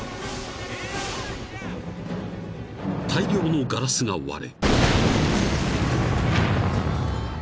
［大量のガラスが割れ］